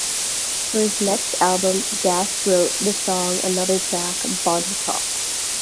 For his next album, Dash wrote and sang another track, "Body Talk".